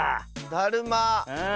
だるま。